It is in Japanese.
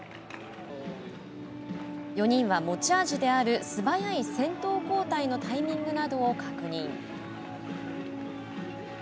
４人は持ち味である素早い先頭交代のタイミングなどを確認。